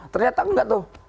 ternyata enggak tuh